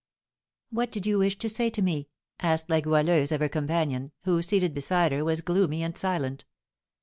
"What did you wish to say to me?" asked La Goualeuse of her companion, who, seated beside her, was gloomy and silent.